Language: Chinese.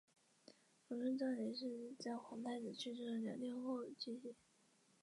科索是位于美国加利福尼亚州因约县的一个非建制地区。